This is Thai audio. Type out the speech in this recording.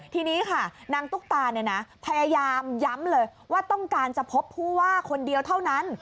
ทีนี้ค่ะนางตุ๊กตาเนี่ยนะพยายามย้ำเลยว่าต้องการจะพบผู้ว่าคนเดียวเท่านั้น